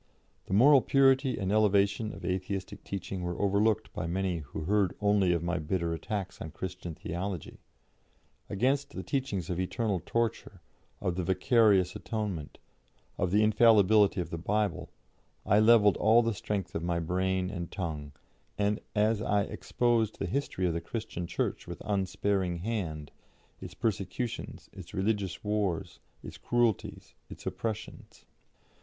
The moral purity and elevation of Atheistic teaching were overlooked by many who heard only of my bitter attacks on Christian theology. Against the teachings of eternal torture, of the vicarious atonement, of the infallibility of the Bible, I levelled all the strength of my brain and tongue, and I exposed the history of the Christian Church with unsparing hand, its persecutions, its religious wars, its cruelties, its oppressions.